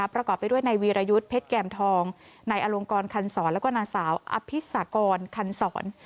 ประกอบไปด้วยในวีรยุทธ์เพชรแก่มทองนายอลงกรคันศรแล้วก็นางสาวอภิษากรคันศร